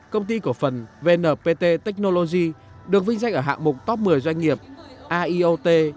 công ty cổ phần vnpt technology được vinh danh ở hạng mục top một mươi doanh nghiệp aiot